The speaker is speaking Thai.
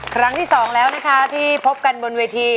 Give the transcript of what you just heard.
ครั้งที่สองแล้วนะคะที่พบกันบนเวที